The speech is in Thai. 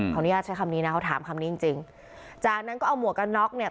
เขาถามคำนี้จริงจริงจากนั้นก็เอาหมวกกับน็อกเนี่ย